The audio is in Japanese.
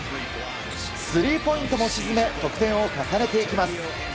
スリーポイントも沈め得点を重ねていきます。